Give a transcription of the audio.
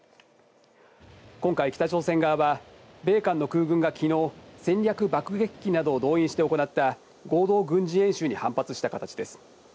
今回、北朝鮮側は、米韓の空軍がきのう、戦略爆撃機などを動員して行った合同軍事演習に反発した形です。